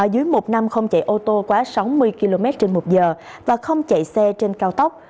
dưới một năm không chạy ô tô quá sáu mươi km trên một giờ và không chạy xe trên cao tốc